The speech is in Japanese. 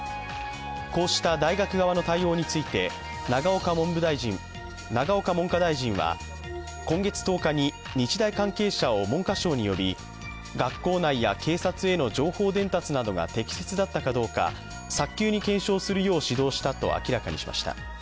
こうした大学側の対応について永岡文科大臣は今月１０日に日大関係者を文科省に呼び学校内や警察への情報伝達などが適切だったかどうか早急に検証するよう指導したと明らかにしました。